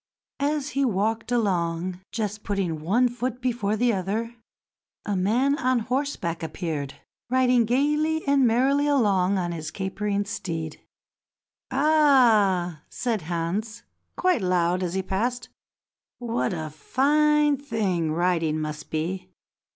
As he walked along, just putting one foot before the other, a man on horseback appeared, riding gaily and merrily along on his capering steed. "Ah!" said Hans quite loud as he passed, "what a fine thing riding must be.